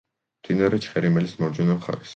მდინარე ჩხერიმელის მარჯვენა მხარეს.